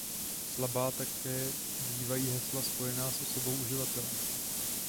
Slabá také bývají hesla spojená s osobou uživatele.